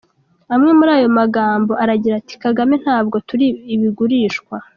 Amwe muri ayo magambo aragira, ati: “Kagame, ntabwo turi ibigurishwa.”